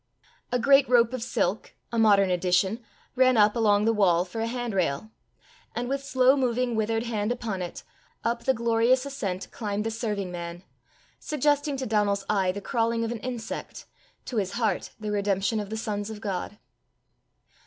A great rope of silk, a modern addition, ran up along the wall for a hand rail; and with slow moving withered hand upon it, up the glorious ascent climbed the serving man, suggesting to Donal's eye the crawling of an insect, to his heart the redemption of the sons of God.